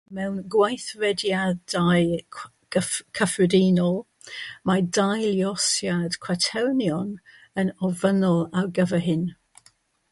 Mewn gweithrediadau cyfrifiadol mae dau luosiad cwaternion yn ofynnol ar gyfer hyn.